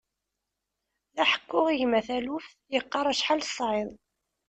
La ḥekkuɣ i gma taluft, yeqqar acḥal tesɛiḍ.